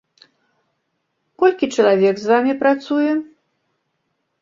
Колькі чалавек з вамі працуе?